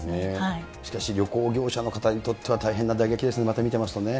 しかし、旅行業者の方にとっては、大変な打撃ですね、また見てますとね。